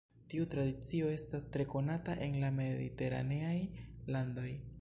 Tiu tradicio estas tre konata en la mediteraneaj landoj.